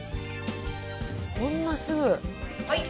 こんなすぐ。